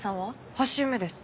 ８周目です。